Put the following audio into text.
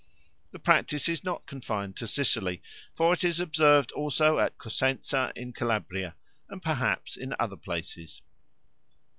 The practice is not confined to Sicily, for it is observed also at Cosenza in Calabria, and perhaps in other places.